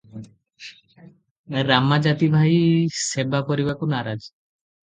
ରାମା ଜାତି ଭାଇ ସେବା କରିବାକୁ ନାରାଜ ।